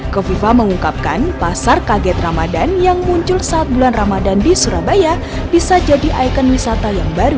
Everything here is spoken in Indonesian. kofifa mengungkapkan pasar kaget ramadan yang muncul saat bulan ramadan di surabaya bisa jadi ikon wisata yang baru